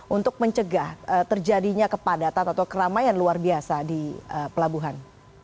untuk mencegah terjadinya kepadatan atau keramaian luar biasa di pelabuhan